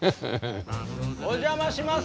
・お邪魔します。